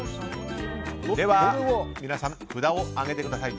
では、皆さん札を上げてください。